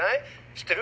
知ってる？